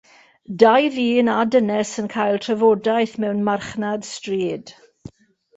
Dau ddyn a dynes yn cael trafodaeth mewn marchnad stryd.